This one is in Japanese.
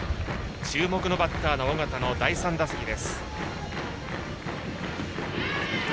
注目のバッター、緒方の第３打席です。